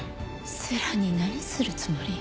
星来に何するつもり？